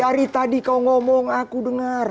dari tadi kau ngomong aku dengar